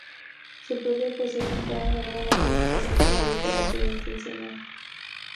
Su propia poesía temprana revela su preocupación por la literatura intencional.